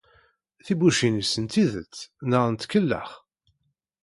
Tibbucin-is n tidet neɣ n tkellax?